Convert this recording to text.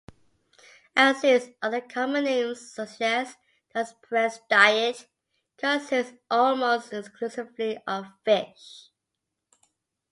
As its other common names suggest, the osprey's diet consists almost exclusively of fish.